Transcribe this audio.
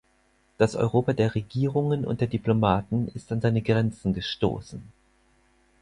Das Europa der Regierungen und der Diplomaten ist an seine Grenze gestoßen.